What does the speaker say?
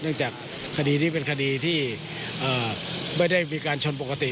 จากคดีนี้เป็นคดีที่ไม่ได้มีการชนปกติ